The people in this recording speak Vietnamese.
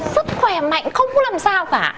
rất khỏe mạnh không có làm sao cả